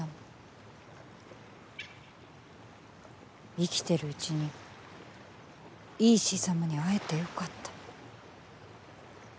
生きてるうちにいいシサムに会えてよかった。